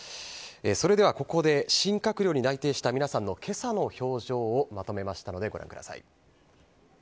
それでは、ここで新閣僚に内定した皆さんの今朝の表情をまとめましたのでご覧ください。